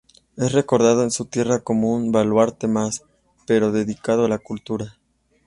Es recordado en su tierra como un baluarte más, pero dedicado a la cultura.